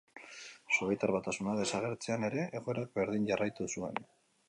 Sobietar Batasuna desagertzean ere, egoerak berdin jarraitu zuen.